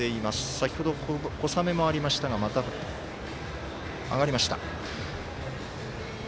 先ほど、小雨もありましたがまたあがりました。